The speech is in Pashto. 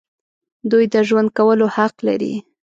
دوی د ژوند کولو حق لري.